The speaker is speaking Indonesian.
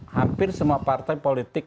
hampir semua partai politik